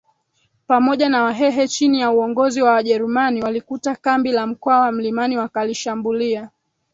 pamoja na Wahehe chini ya uongozi wa Wajerumani walikuta kambi la Mkwawa mlimani wakalishambulia